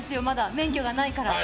免許がないから。